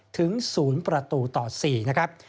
ถึงศูนย์ประตูตอด๔นะครับ